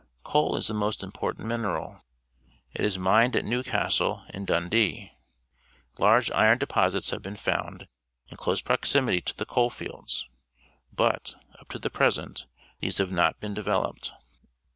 Coal is the most impo rtant miner al. It is mined at N ewcast le and D uvAp.p. . Large i ron depos its have been found in close prox imity to the coal fields, but, up to the present, these have not been developed.